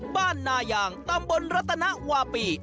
นายางตำบลรัตนวาปี